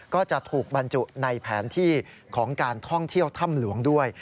ก็จะถูกบรรจุในแผนที่ของการท่องเที่ยวถ้ำหลวงด้วย